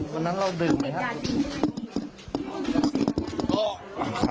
วันนั้นเราดื่มไหมครับ